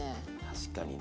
確かにね。